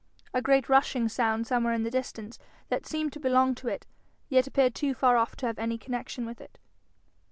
A great rushing sound somewhere in the distance, that seemed to belong to it, yet appeared too far off to have any connection with it.